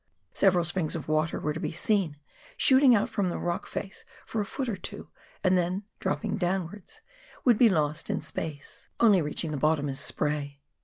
Several springs of water were to be seen, shooting out from the rock face for a foot or two, and then, dropping downwards, would be lost in space, only reaching oi. KAEAXGARUA RIVEE. 199 the bottom as spray.